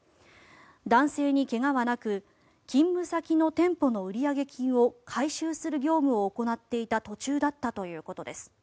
男性に怪我はなく勤務先の店舗の売上金を回収する業務を行っていた途中だったということです。